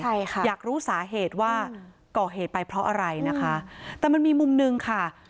ใช่ค่ะอยากรู้สาเหตุว่าก่อเหตุไปเพราะอะไรนะคะแต่มันมีมุมหนึ่งค่ะ